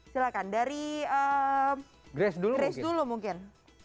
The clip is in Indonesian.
silahkan dari grace dulu mungkin